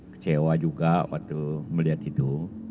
kecewa juga waktu melihat itu